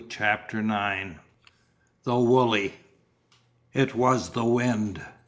CHAPTER IX THE WOOLEY It was the wind.